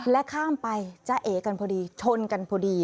ข้ามไปจะเอกันพอดีชนกันพอดี